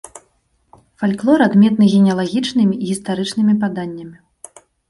Фальклор адметны генеалагічнымі і гістарычнымі паданнямі.